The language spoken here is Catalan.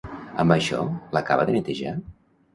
Amb això, l'acabava de netejar?